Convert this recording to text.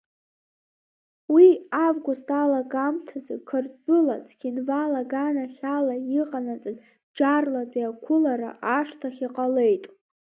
Уи август алагамҭазы Қырҭтәыла Цхинвал аганахьала иҟанаҵаз бџьарлатәи ақәылара ашҭахь иҟалеит.